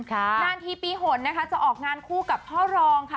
นานทีปีหนนะคะจะออกงานคู่กับพ่อรองค่ะ